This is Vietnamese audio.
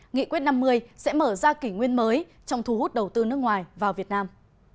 nghị quyết năm mươi sẽ mở ra kỷ nguyên mới trong thu hút đầu tư nước ngoài vào việt nam